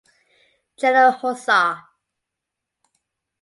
General hussar.